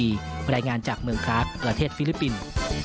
รายงานจากเมืองคลาสประเทศฟิลิปปินส์